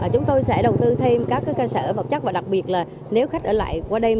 chúng tôi sẽ đầu tư thêm các cơ sở vật chất và đặc biệt là nếu khách ở lại qua đêm